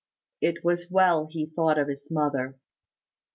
It was well he thought of his mother.